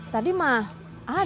tadi mah ada